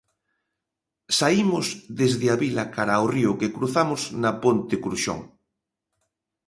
Saímos desde a vila cara ao río que cruzamos na Ponte Cruxón.